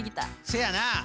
せやな。